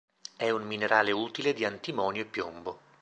È un minerale utile di antimonio e piombo.